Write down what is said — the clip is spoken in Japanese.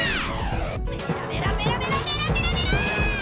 メラメラメラメラメラメラメラッ！